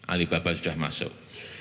alibaba sudah masuk